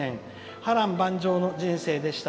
波乱万丈の人生でした。